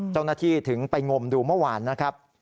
เจ้าหน้าที่ถึงไปงมดูเมื่อวานนะครับ